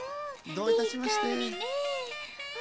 どういたしまして。